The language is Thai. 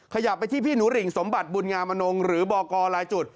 ขยับไปที่พี่หนูริงสมบัติบุญงามอนงหรือบอกกรลายจุด